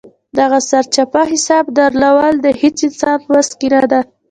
دغه سرچپه حساب درول د هېڅ انسان په وس کې نه ده.